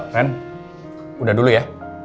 ren udah dulu ya